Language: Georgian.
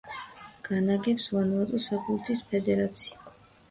განაგებს ვანუატუს ფეხბურთის ფედერაცია.